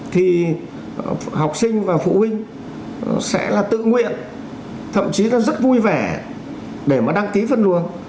thì học sinh và phụ huynh sẽ là tự nguyện thậm chí là rất vui vẻ để mà đăng ký phân luồng